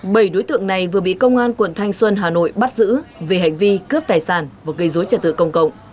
bảy đối tượng này vừa bị công an quận thanh xuân hà nội bắt giữ vì hành vi cướp tài sản và gây dối trật tự công cộng